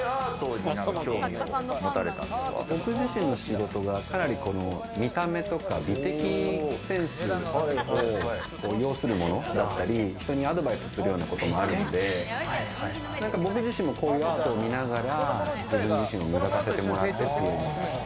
僕自身の仕事が見た目とか美的センスを要するもので、人にアドバイスすることもあるので僕自身もアートを見ながら自分自身を磨かせてもらっている。